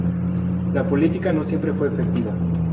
La política no siempre fue efectiva.